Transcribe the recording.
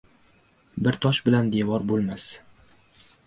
• Bir tosh bilan devor bo‘lmas.